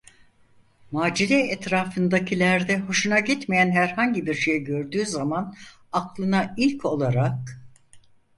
Macide etrafındakilerde hoşuna gitmeyen herhangi bir şey gördüğü zaman aklına ilk olarak: